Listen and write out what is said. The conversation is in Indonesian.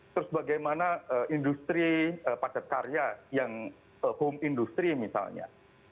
terus bagaimana industri padat karya yang home industry misalnya